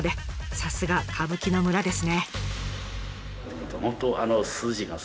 さすが歌舞伎の村ですね。